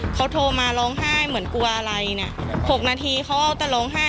เขาโทรมาร้องไห้เหมือนกลัวอะไรเนี่ย๖นาทีเขาเอาแต่ร้องไห้